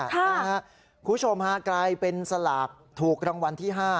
คุณผู้ชมฮะกลายเป็นสลากถูกรางวัลที่๕